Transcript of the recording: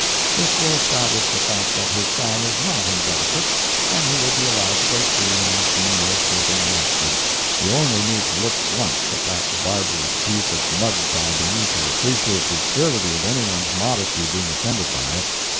This will establish the fact that his sign is not indelicate, and he will be allowed to go free and be no further molested. You only need to look once at that barbarous piece of mud daubing to appreciate the absurdity of any one's modesty being offended by it.